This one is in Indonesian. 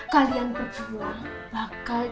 kalian berdua bakal